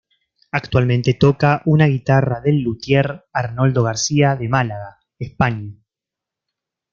Actualmente toca una guitarra del luthier Arnoldo García de Málaga, España.